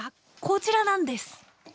こちらなんです。